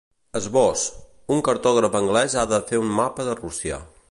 Esbós: Un cartògraf anglès ha de fer un mapa de Rússia.